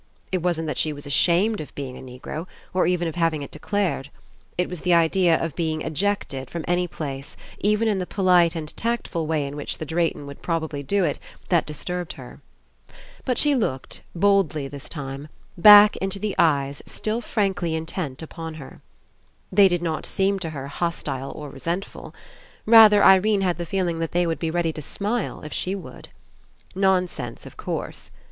It wasn't that she was ashamed of being a Negro, or even of having it declared. It was the idea of being ejected from any place, even in the polite and tactful way in which the Drayton would prob ably do it, that disturbed her. But she looked, boldly this time, back into the eyes still frankly intent upon her. They did not seem to her hostile or resentful. Rather, Irene had the feeling that they were ready to smile if she would. Nonsense, of course.